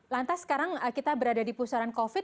lantas sekarang kita berada di pusaran covid